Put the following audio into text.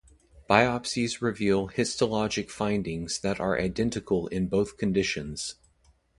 Biopsies reveal histologic findings that are identical in both conditions.